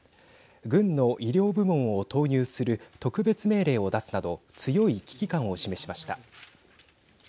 軍の医療部門を投入する特別命令を出すなど強い危機感を示しました。